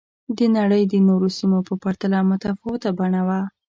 د نړۍ د نورو سیمو په پرتله متفاوته بڼه وه